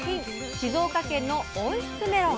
「静岡県の温室メロン」。